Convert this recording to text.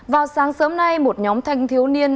vào sáng sớm nay một nhóm thanh thiếu niên